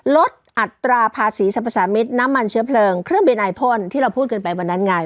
ลดอัตราภาษีสรรพสามิตรน้ำมันเชื้อเพลิงเครื่องบินไอพ่นที่เราพูดกันไปวันนั้นไง